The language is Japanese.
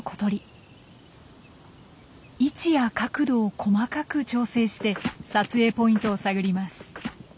位置や角度を細かく調整して撮影ポイントを探ります。